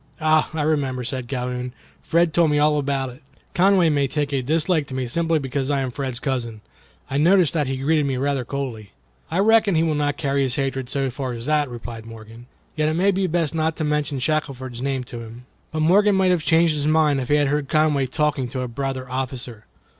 "Ah! I remember," said Calhoun; "Fred told me all about it. Conway may take a dislike to me simply because I am Fred's cousin. I noticed that he greeted me rather coldly." "I reckon he will not carry his hatred so far as that," replied Morgan, "yet it may be best not to mention Shackelford's name to him." But Morgan might have changed his mind if he had heard Conway talking to a brother officer.